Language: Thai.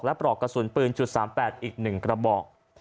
ปลอกกระสุนปืน๓๘อีก๑กระบอก